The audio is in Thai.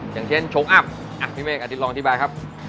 อย่างเช่นโชคอัพพี่เมฆอธิบายครับ